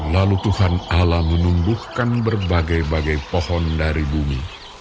lalu tuhan alam menumbuhkan berbagai bagai pohon dari bumi